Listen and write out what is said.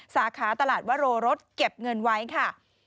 สาขาตลาดวโรรสเก็บเงินไว้ค่ะ